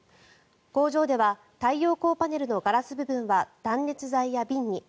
工場では太陽光パネルのガラス部分は断熱材や瓶に。